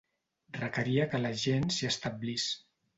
Requeria que la gent s'hi establís.